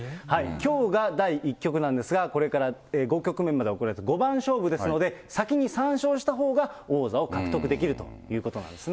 きょうが第１局なんですが、これから５局目まで行われて、五番勝負ですので、先に３勝したほうが王座を獲得できるということなんですね。